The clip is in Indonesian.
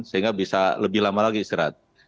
sehingga bisa lebih lama lagi istirahat